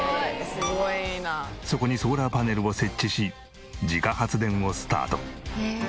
そこにソーラーパネルを設置し自家発電をスタート。